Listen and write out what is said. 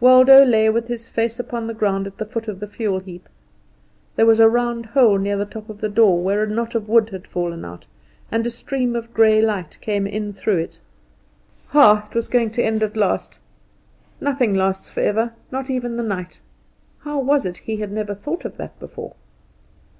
Waldo lay with his face upon the ground at the foot of the fuel heap. There was a round hole near the top of the door, where a knot of wood had fallen out, and a stream of grey light came in through it. Ah, it was going to end at last. Nothing lasts forever, not even the night. How was it he had never thought of that before?